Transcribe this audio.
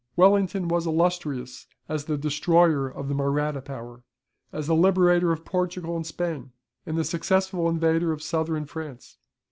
Wellington was illustrious as the destroyer of the Mahratta power, as the liberator of Portugal and Spain, and the successful invader of Southern France.